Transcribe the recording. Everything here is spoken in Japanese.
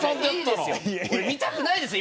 見たくないですよ